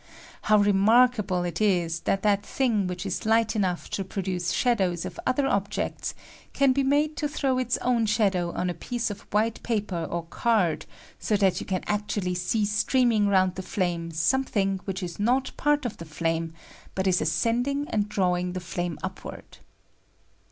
How remarkable it is that that thing which is light enough to produce shadows of other objects can be made to throw its own shadow on a piece of white paper or card, so that you can actually see streaming round the flame something which is not part of the flame, but is ascending and drawing the flame upward.